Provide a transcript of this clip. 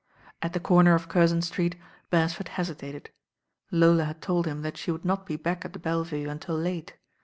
At the comer of Curzon Street Beresford hesi tated. Lola had told him that she would not be back at the Belle Vue until late.